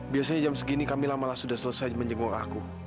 biasanya jam segini kamilah malah sudah selesai menjenguk aku